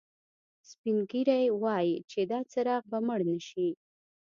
سپین ږیری وایي چې دا څراغ به مړ نه شي